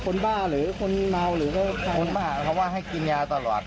บ้าหรือคนเมาหรือว่าคนบ้าเขาว่าให้กินยาตลอด